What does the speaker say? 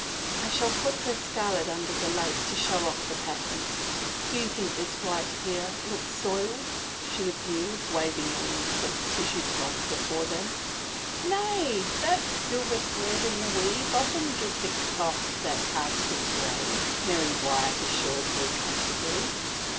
" I shall put this scarlet tmder the lace to show off the pattern. Think you this white, here, looks soiled ?" she appealed, waving a length of tissue cloth before them. " Nay — that silver thread in the weave often gives a cloth that cast of gray," Mary Wyatt assured her com fortably.